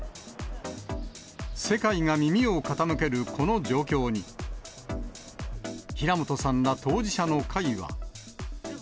世界が耳を傾けるこの状況に、平本さんら当事者の会は。